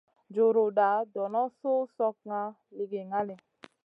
Juruda dono suh slokŋa ligi ŋali.